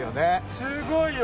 すごいよ